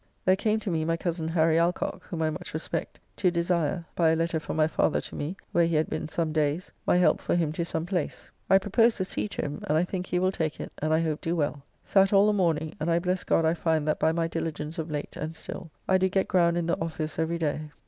There came to me my cozen Harry Alcocke, whom I much respect, to desire (by a letter from my father to me, where he had been some days) my help for him to some place. I proposed the sea to him, and I think he will take it, and I hope do well. Sat all the morning, and I bless God I find that by my diligence of late and still, I do get ground in the office every day.